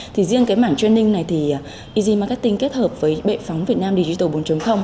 thì riêng cái mảng training này thì easy marketing kết hợp với bệ phóng việt nam digital bốn